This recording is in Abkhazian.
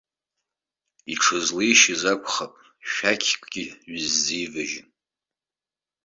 Иҽызлеишьыз акәхап шәақькгьы ҩызӡа иважьын.